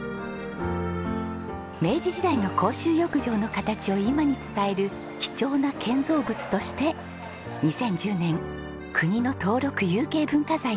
明治時代の公衆浴場の形を今に伝える貴重な建造物として２０１０年国の登録有形文化財になりました。